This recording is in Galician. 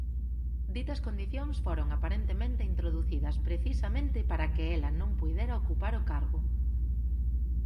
Ditas condicións foron aparentemente introducidas precisamente para que ela non puidera ocupar o cargo.